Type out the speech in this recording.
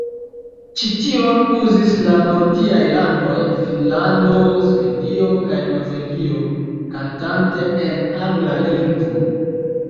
Ĉi-tion uzis la nordiaj landoj Finnlando, Svedio kaj Norvegio, kantante en angla lingvo.